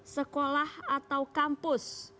sekolah atau kampus